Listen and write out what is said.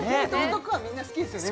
男はみんな好きですよね